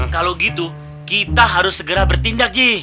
kalau gitu kita harus segera bertindak ji